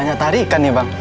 banyak tarikan ya bang